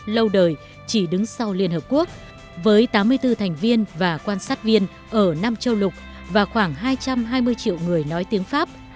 lâu đời chỉ đứng sau liên hợp quốc với tám mươi bốn thành viên và quan sát viên ở năm châu lục và khoảng hai trăm hai mươi triệu người nói tiếng pháp